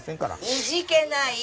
いじけない！